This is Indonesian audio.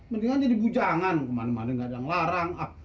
mendingan jadi bujangan